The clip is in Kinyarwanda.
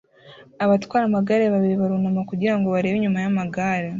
Abatwara amagare babiri barunama kugira ngo barebe inyuma y'amagare